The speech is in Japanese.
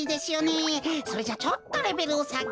それじゃちょっとレベルをさげて。